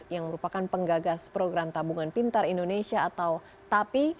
yang merupakan penggagas program tabungan pintar indonesia atau tapi